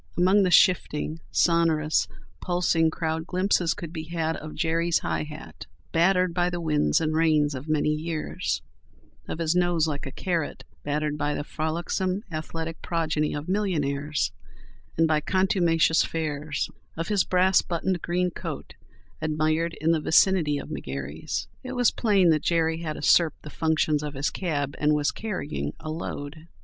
Among the shifting, sonorous, pulsing crowd glimpses could be had of Jerry's high hat, battered by the winds and rains of many years; of his nose like a carrot, battered by the frolicsome, athletic progeny of millionaires and by contumacious fares; of his brass buttoned green coat, admired in the vicinity of McGary's. It was plain that Jerry had usurped the functions of his cab, and was carrying a "load."